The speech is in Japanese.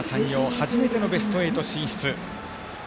初めてのベスト８進出。